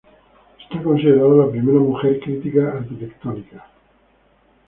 Es considerada la primera mujer crítica arquitectónica.